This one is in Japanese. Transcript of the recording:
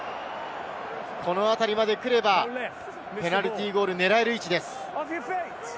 このあたりまでくれば、ペナルティーゴールを狙える位置です。